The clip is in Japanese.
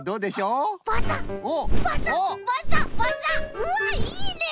うわいいね！